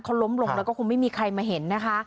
เขาล้มลงแล้วก็คงไม่มีใครมาเห็นนะคะ